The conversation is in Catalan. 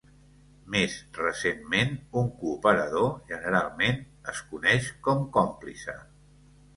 Més recentment, un cooperador, generalment, es coneix com còmplice.